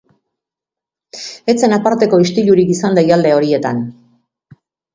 Ez zen aparteko istilurik izan deialdi horietan.